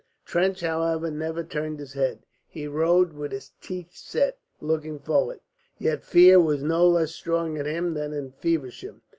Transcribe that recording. Trench, however, never turned his head. He rode with his teeth set, looking forwards. Yet fear was no less strong in him than in Feversham.